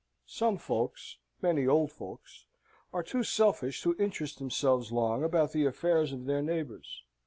Some folks many old folks are too selfish to interest themselves long about the affairs of their neighbours.